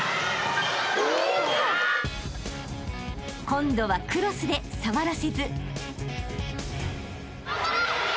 ［今度はクロスで触らせず］